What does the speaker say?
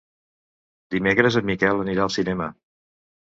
Dimecres en Miquel anirà al cinema.